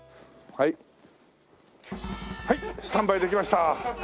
はいスタンバイできました！